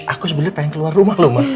aku sebenernya pengen keluar rumah loh ma